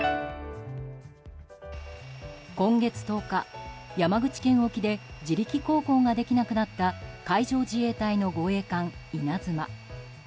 今月１０日、山口県沖で自力航行ができなくなった海上自衛隊の護衛艦「いなづま」。